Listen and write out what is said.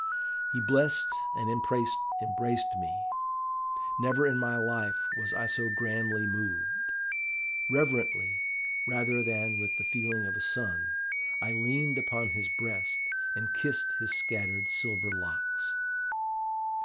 "He blessed and embraced me. Never in my life was I so grandly moved. Reverently, rather than with the feeling of a son, I leaned upon his breast, and kissed his scattered silver locks.